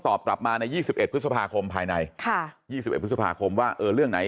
ตรงนี้นะ